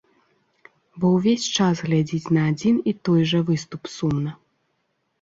Бо ўвесь час глядзець на адзін і той жа выступ сумна.